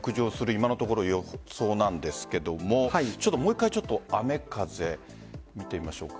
今のところの予想なんですけれどももう１回、雨風見てみましょうか。